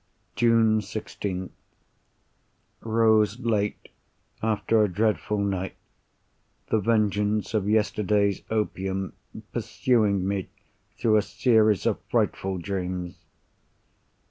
June 16th.—Rose late, after a dreadful night; the vengeance of yesterday's opium, pursuing me through a series of frightful dreams.